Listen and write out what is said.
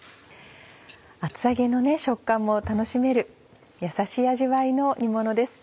厚揚げの食感も楽しめるやさしい味わいの煮ものです。